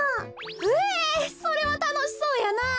へえそれはたのしそうやな。